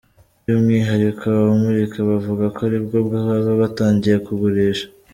By’umwihariko abamurika bavuga ko ari bwo baba batangiye kugurisha.